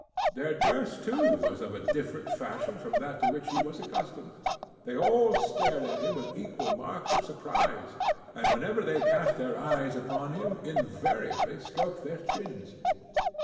Their dress, too, was of a different fashion from that to which he was accustomed. They all stared at him with equal marks of surprise, and whenever they cast their eyes upon him, invariably stroked their chins.